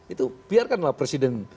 itu biarkanlah presiden